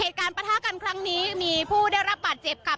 เหตุการณ์ปธากรรมคลั้งนี้มีผู้ได้รับปรับเจ็บคะ